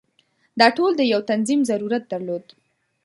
دا ټول د یو تنظیم ضرورت درلود.